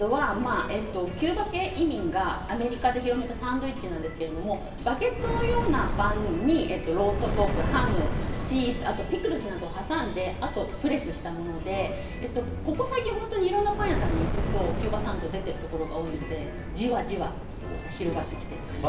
キューバ系移民がアメリカで広めたサンドイッチなんですけれどもバゲットのようなパンにローストポーク、ハム、チーズピクルスなどを挟んでプレスしたものでここ最近、本当にいろいろなパン屋さんに行くとキューバサンドが出ているところが多いのでじわじわ広がってきています。